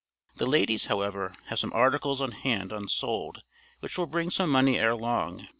The ladies, however, have some articles on hand unsold, which will bring some money ere long.